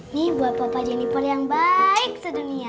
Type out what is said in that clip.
ini buat papa jeniper yang baik sedunia